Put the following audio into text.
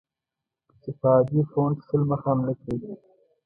چې په عادي فونټ سل مخه هم نه کېږي.